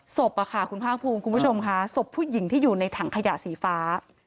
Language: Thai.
ศพคุณภาคภูมิคุณผู้ชมค่ะศพผู้หญิงที่อยู่ในถังขยะสีฟ้า